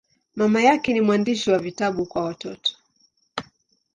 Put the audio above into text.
Mama yake ni mwandishi wa vitabu kwa watoto.